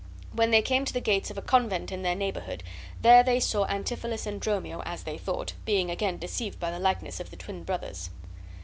When they came to the gates of a convent in their neighborhood, there they saw Antipholus and Dromio, as they thought, being again deceived by the likeness of the twin brothers.